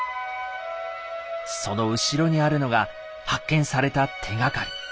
その後ろにあるのが発見された手がかり。